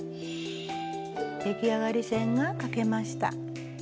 出来上がり線が書けました。